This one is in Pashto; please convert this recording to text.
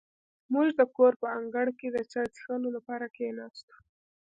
موږ د کور په انګړ کې د چای څښلو لپاره کېناستو.